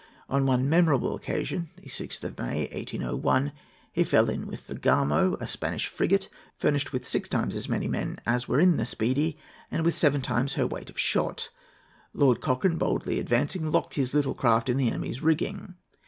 On one memorable occasion, the 6th of May, 1801, he fell in with the Gamo, a Spanish frigate furnished with six times as many men as were in the Speedy and with seven times her weight of shot. Lord Cochrane, boldly advancing, locked his little craft in the enemy's rigging.